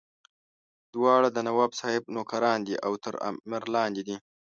دواړه د نواب صاحب نوکران دي او تر امر لاندې دي.